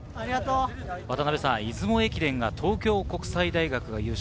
出雲駅伝が東京国際大学が優勝。